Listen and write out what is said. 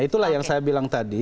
itulah yang saya bilang tadi